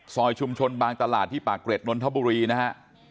ซอยชุมชนบางตลาดที่ปากเกร็ดนนทบุรีนะฮะ